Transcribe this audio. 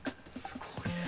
すごい。